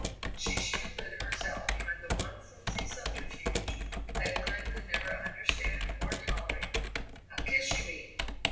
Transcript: She shielded herself behind the one flimsy subterfuge that Glenn could never understand or tolerate. "A kiss you mean.